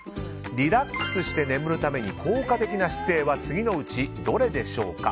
リラックスして眠るために効果的な姿勢は次のうちどれでしょうか？